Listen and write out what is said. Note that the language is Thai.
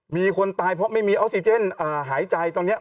มีคนตายเพราะไม่มีออกซิเจนหายใจตอนนี้